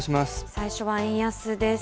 最初は円安です。